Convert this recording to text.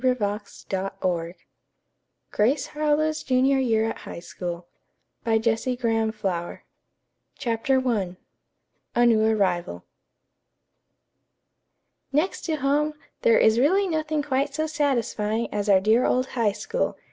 CONCLUSION 252 Grace Harlowe's Junior Year at High School CHAPTER I A NEW ARRIVAL "Next to home, there is really nothing quite so satisfying as our dear old High School!"